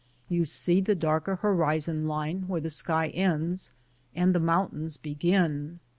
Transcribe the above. You see the darker horizon line where the sky ends and the mountains be gin.